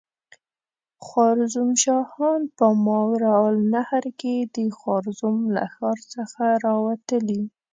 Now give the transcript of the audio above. خوارزم شاهان په ماوراالنهر کې د خوارزم له ښار څخه را وتلي.